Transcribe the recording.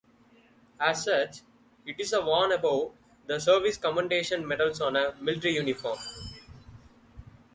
As such, it is worn above the service Commendation Medals on a military uniform.